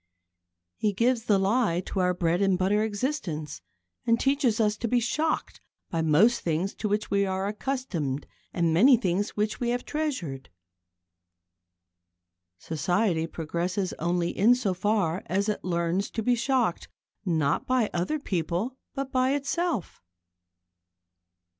He gives the lie to our bread and butter existence, and teaches us to be shocked by most things to which we are accustomed and many things which we have treasured. Society progresses only in so far as it learns to be shocked, not by other people, but by itself.